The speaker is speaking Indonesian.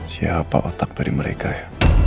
siapa otak dari mereka ya